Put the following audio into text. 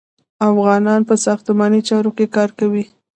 افغانان په ساختماني چارو کې کار کوي.